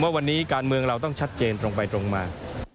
ว่าวันนี้การเมืองเราต้องชัดเจนตรงไปตรงมา